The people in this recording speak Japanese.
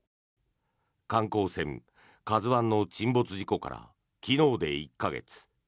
観光船「ＫＡＺＵ１」の沈没事故から昨日で１か月。